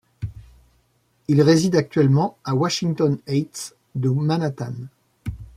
Il réside actuellement à Washington Heights de Manhattan.